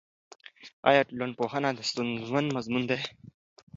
آیا ټولنپوهنه ستونزمن مضمون دی؟